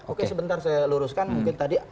oke sebentar saya luruskan mungkin tadi